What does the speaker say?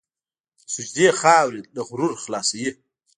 د سجدې خاورې له غرور خلاصوي.